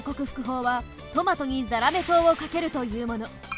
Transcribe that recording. ほうはトマトにザラメ糖をかけるというもの。